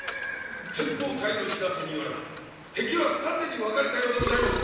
先ぽう隊の知らせによれば敵は二手に分かれたようでございます。